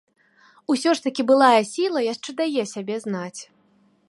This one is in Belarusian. Усё ж такі былая сіла яшчэ дае сябе знаць.